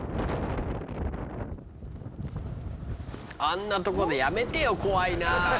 あんなとこでやめてよ怖いな。